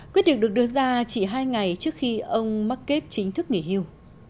quyết định được đưa ra chỉ hai ngày trước khi ông mcket chính thức nghỉ hưu